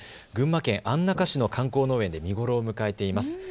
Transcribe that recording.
群馬県安中市の観光農園で見頃を迎えています。